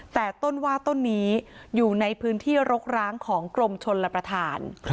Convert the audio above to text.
แต่ต้นว่าต้นนี้อยู่ในพื้นที่รกร้างของกรมชนรับประทาน